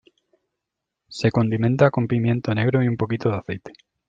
Se condimenta con pimiento negro y un poquito de aceite.